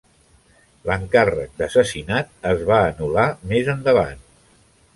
L'encàrrec d'assassinat es va anul·lar més endavant.